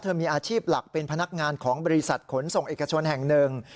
มีอาชีพหลักเป็นพนักงานของบริษัทขนส่งเอกชนแห่งหนึ่ง